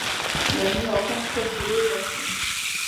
فلاني حاکم سل درې ووهلم.